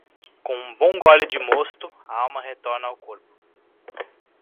Com um bom gole de mosto, a alma retorna ao corpo.